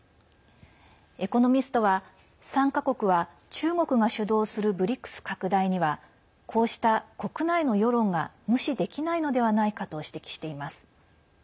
「エコノミスト」は、３か国は中国が主導するＢＲＩＣＳ拡大にはこうした国内の世論が無視できないのではないかと指摘しています。